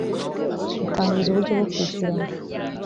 utangiza uburyo bwo kwishyurana